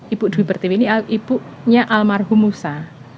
ibu dwi pertiwi ini ibunya almarhum musa